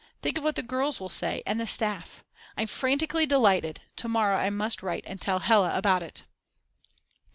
Think of what the girls will say, and the staff! I'm frantically delighted. To morrow I must write and tell Hella all about it.